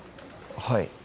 はい。